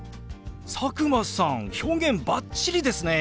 佐久間さん表現バッチリですね。